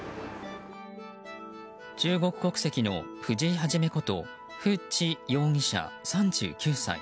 中国国籍の藤井一ことフ・チ容疑者、３９歳。